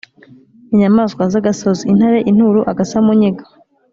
i nyamaswa z'agasozi : intare, inturo, agasamunyiga,